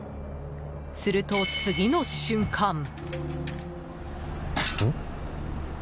すると、次の瞬間。